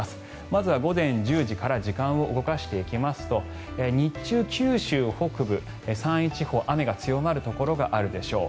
まずは午前１０時から時間を動かしていきますと日中、九州北部、山陰地方雨が強まるところがあるでしょう。